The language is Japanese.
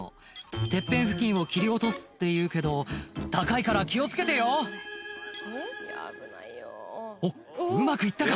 てっぺん付近を切り落とすっていうけど高いから気を付けてよおっうまく行ったか？